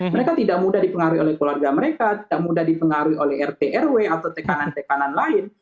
mereka tidak mudah dipengaruhi oleh keluarga mereka tidak mudah dipengaruhi oleh rt rw atau tekanan tekanan lain